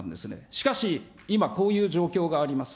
しかし、今、こういう状況があります。